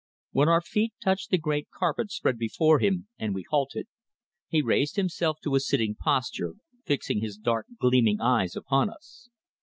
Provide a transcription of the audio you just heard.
When our feet touched the great carpet spread before him, and we halted, he raised himself to a sitting posture, fixing his dark, gleaming eyes upon us.